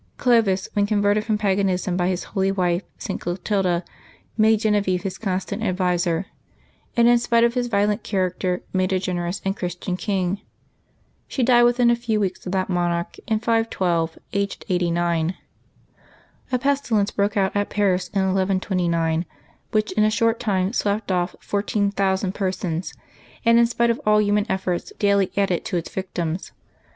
Clovis, when converted from paganism by his Januaky 4] LIVES OF THE SAINTS 25 holy wife, St. Clotilda, made Genevieve his constant ad viser, and, in spite of his violent character, made a gen erous and Christian king. She died within a few weeks of that monarch, in 512, aged eighty nine. A pestilence broke out at Paris in 1129, which in a short time swept off fourteen thousand persons, and, in spite of all human efforts, daily added to its victims.